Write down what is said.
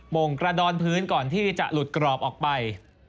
โมงกระดอนพื้นก่อนที่จะหลุดกรอบออกไป